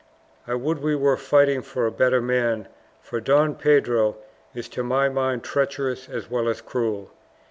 I would we were fighting for a better man, for Don Pedro is to my mind treacherous as well as cruel.